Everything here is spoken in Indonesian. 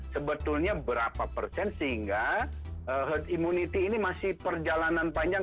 sebetulnya berapa persen sehingga herd immunity ini masih perjalanan panjang